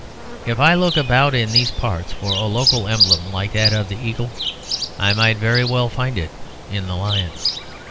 If I looked about in these parts for a local emblem like that of the eagle, I might very well find it in the lion.